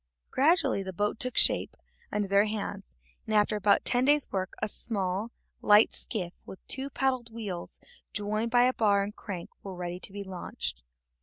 Gradually the boat took shape under their hands, and after about ten days' work a small, light skiff, with two paddle wheels joined by a bar and crank, was ready to be launched.